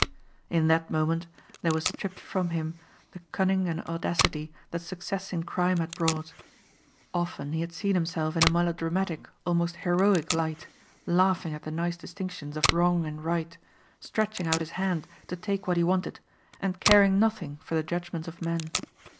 In that moment there was stripped from him the cunning and audacity that success in crime had brought. Often he had seen himself in a melodramatic almost heroic light, laughing at the nice distinctions of wrong and right, stretching out his hand to take what he wanted and caring nothing for the judgments of men.